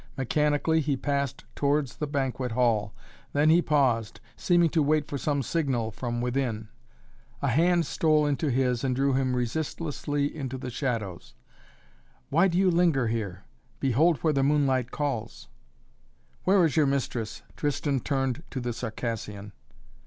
Mechanically he passed towards the banquet hall. Then he paused, seeming to wait for some signal from within. A hand stole into his and drew him resistlessly into the shadows. "Why do you linger here? Behold where the moonlight calls." "Where is your mistress?" Tristan turned to the Circassian.